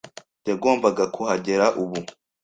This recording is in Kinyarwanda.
Yagombaga kuhagera ubu.